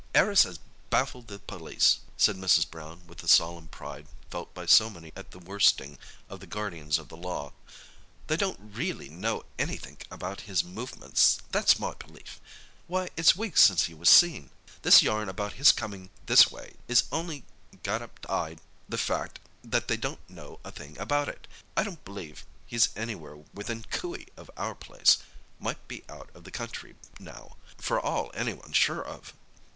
"'Arris 'as baffled the police," said Mrs. Brown, with the solemn pride felt by so many at the worsting of the guardians of the law. "They don't reely know anythink about his movements, that's my belief. Why, it's weeks since he was seen. This yarn about his comin' this way is on'y got up to 'ide the fact that they don't know a thing about it. I don't b'lieve he's anywhere within coo ee of our place. Might be out of the country now, for all anyone's sure of."